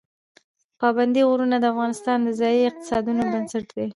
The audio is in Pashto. پابندی غرونه د افغانستان د ځایي اقتصادونو بنسټ دی.